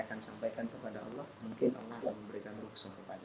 akan sampaikan kepada mungkin allah memberikan ruksa kepada